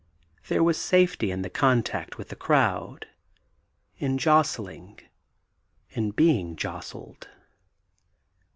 There was safety in the contact with the crowd, in jostling, in being jostled.